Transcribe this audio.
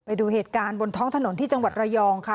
ไปดูเหตุการณ์บนท้องถนนที่จังหวัดระยองค่ะ